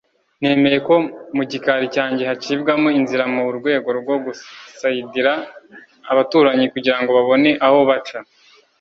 Nemeye ko mu gikari cyanjye hacibwamo inzira mu rwego rwo gusayidira (gufasha) abaturanyi kugirango babone aho baca